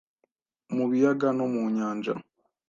mu biyaga no mu nyanja.